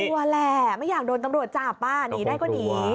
กลัวแหละไม่อยากโดนตำรวจจับหนีได้ก็หนี